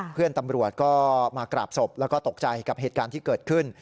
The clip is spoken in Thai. เพื่อนตำรวจก็มากราบศพแล้วก็ตกใจกับเหตุการณ์ที่เกิดขึ้น